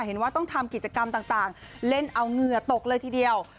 เห็นว่าต้องทำกิจกรรมต่างเล่นเอาเหงื่อตกเลยทีเดียว